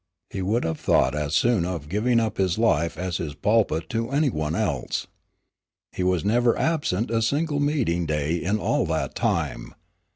He would have thought as soon of giving up his life as his pulpit to any one else. He was never absent a single meeting day in all that time.